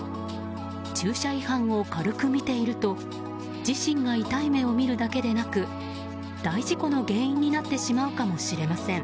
駐車違反を軽く見ていると自身が痛い目を見るだけでなく大事故の原因になってしまうかもしれません。